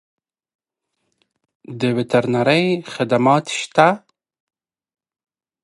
د وترنرۍ خدمات شته؟